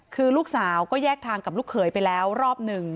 คือลูกสาวก็แยกทางกับลูกเขยไปแล้วรอบหนึ่ง